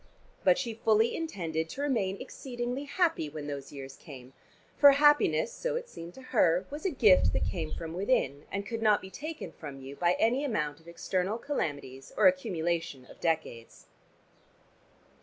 But she fully intended to remain exceedingly happy when those years came, for happiness so it seemed to her was a gift that came from within and could not be taken from you by any amount of external calamities or accumulation of decades.